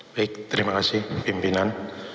baik terima kasih pimpinan